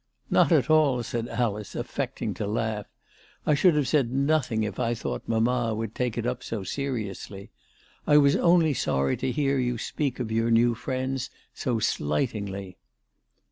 " Not at all," said Alice, affecting to laugh. " I should have said nothing if I thought mamma would take it up so seriously. I was only sorry to hear you speak of your new friends so slightingly."